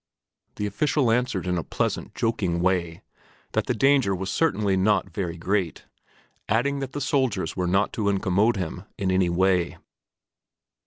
The official answered in a pleasant, joking way that the danger was certainly not very great, adding that the soldiers were not to incommode him in any way.